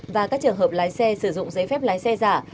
và các trường hợp lái xe sử dụng giấy phép lái xe giả